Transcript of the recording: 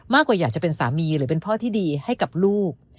กว่าอยากจะเป็นสามีหรือเป็นพ่อที่ดีให้กับลูก